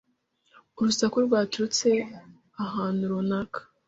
Urusaku rwaturutse ahantu runaka.